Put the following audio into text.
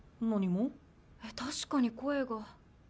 （秋那確かに声が。